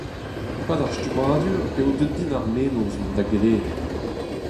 E-pad ar stummadur eo deuet din ar mennozh mont da gelenner.